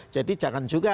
jadi jangan juga